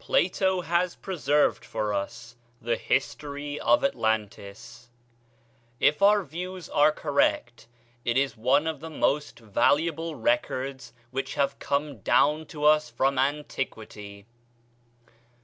Plato has preserved for us the history of Atlantis. If our views are correct, it is one of the most valuable records which have come down to us from antiquity.